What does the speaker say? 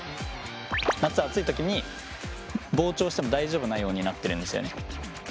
夏暑い時に膨張しても大丈夫なようになってるんですよね。